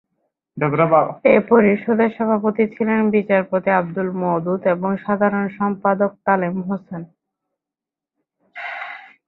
এ পরিষদের সভাপতি ছিলেন বিচারপতি আবদুল মওদুদ এবং সাধারণ সম্পাদক তালিম হোসেন।